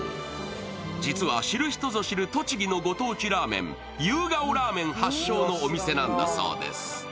実は知る人ぞ知る栃木のご当地ラーメン、夕顔ラーメン発祥のお店なんだそうです。